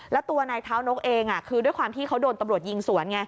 แล้วตัวนายเท้านกเองคือด้วยความที่เขาโดนตำรวจยิงสวนไง